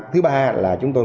thứ ba là chúng tôi